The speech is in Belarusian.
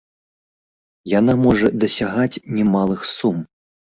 Яна можа дасягаць немалых сум.